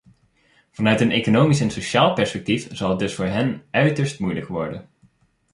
Vanuit een economisch en sociaal perspectief zal het dus voor hen uiterst moeilijk worden.